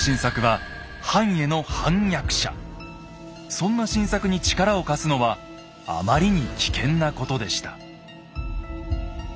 そんな晋作に力を貸すのはあまりに危険なことでした。